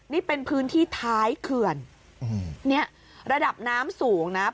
นี่เป็นพื้นที่ท้ายเขื่อนเนี่ยระดับน้ำสูงนะ